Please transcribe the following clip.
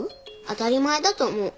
当たり前だと思う。